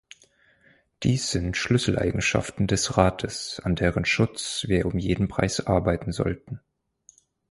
Dies sind Schlüsseleigenschaften des Rates, an deren Schutz wir um jeden Preis arbeiten sollten.